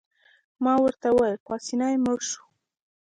ما ورته وویل: پاسیني مړ شو.